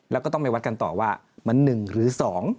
แล้วก็ต้องไปวัดกันต่อว่ามัน๑หรือ๒